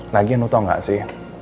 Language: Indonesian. lagian lo tau nggak sih